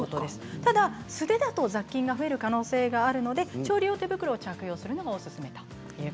ただ素手だと雑菌が増える可能性があるので調理用手袋を着用してください